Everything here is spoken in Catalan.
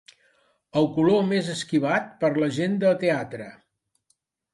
El color més esquivat per la gent de teatre.